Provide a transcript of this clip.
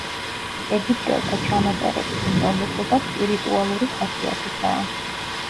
ეგვიპტელთა ჩანაწერების უმრავლესობა სპირიტუალური ხასიათისაა.